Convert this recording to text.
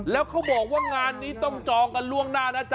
แล้วเขาบอกว่างานนี้ต้องจองกันล่วงหน้านะจ๊